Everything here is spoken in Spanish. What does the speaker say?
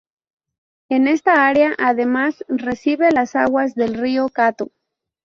En esta área además, recibe las aguas del río Cato.